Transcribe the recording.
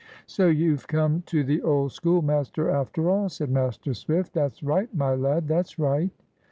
"So you've come to the old schoolmaster, after all?" said Master Swift: "that's right, my lad, that's right."